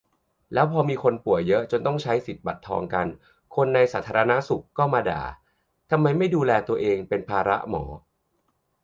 "แล้วพอมีคนป่วยเยอะ จนต้องใช้สิทธิบัตรทองกัน คนในสาธารณสุขก็มาด่า ทำไมไม่ดูแลตัวเอง เป็นภาระหมอ"